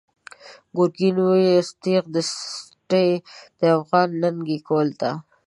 “گرگین” ویوست تیغ د سټی، د افغان ننگی کهول ته